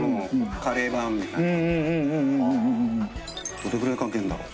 どれぐらいかけるんだろう？